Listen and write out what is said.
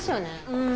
うん。